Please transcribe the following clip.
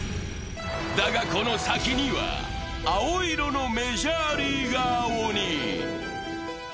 だが、この先には、青色のメジャーリーガー鬼。